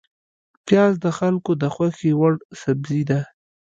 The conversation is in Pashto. پیاز د خلکو د خوښې وړ سبزی ده